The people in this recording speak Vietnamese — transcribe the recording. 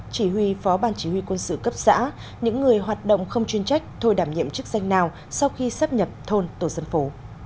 chỉ huy phó ban chỉ huy quân sự cấp xã những người hoạt động không chuyên trách thôi đảm nhiệm chức danh nào sau khi sắp nhập thôn tổ dân phố